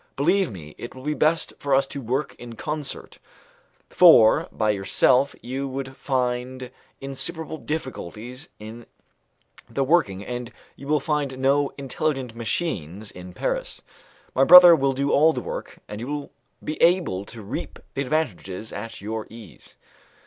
Believe me it will be best for us to work in concert, for by yourself you would find insuperable difficulties in the working, and you will find no 'intelligent machines' in Paris. My brother will do all the work, and you will be able to reap the advantages at your ease."